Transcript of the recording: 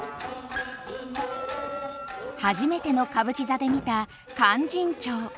初めての歌舞伎座で見た「勧進帳」。